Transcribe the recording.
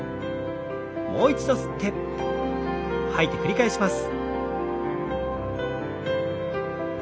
もう一度吸って吐いて繰り返します。